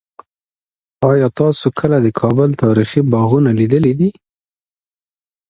آیا تاسو کله د کابل تاریخي باغونه لیدلي دي؟